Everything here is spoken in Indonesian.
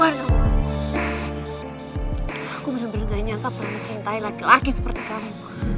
aku benar benar gak nyata pernah mencintai laki laki seperti kamu